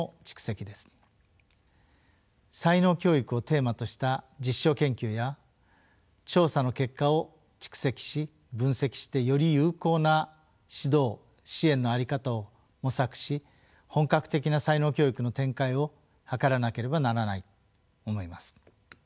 才能教育をテーマとした実証研究や調査の結果を蓄積し分析してより有効な指導・支援の在り方を模索し本格的な才能教育の展開を図らなければならない思います。